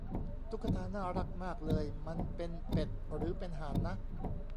ตุ๊กตาน่ารักมากเลย มันเป็นเป็ดหรือเป็นห่านนะ